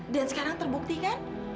dan sekarang terbukti kan